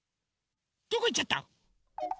どこいっちゃった？